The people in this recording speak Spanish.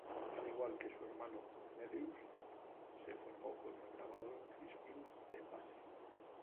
Al igual que su hermano Cornelius, se formó con el grabador Crispin de Passe.